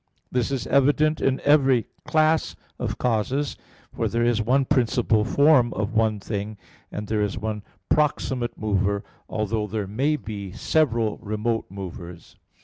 This is evident in every class of causes: for there is one proximate form of one thing, and there is one proximate mover, although there may be several remote movers.